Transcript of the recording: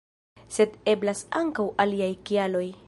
Sed eblas ankaŭ aliaj kialoj.